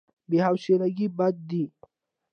بې حوصلګي بد دی.